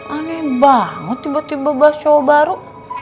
aneh banget tiba tiba bahas cowok baru